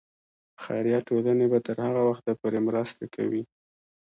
خیریه ټولنې به تر هغه وخته پورې مرستې کوي.